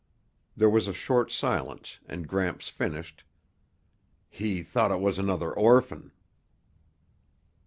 There was a short silence and Gramps finished, "He thought it was 'nother orphan."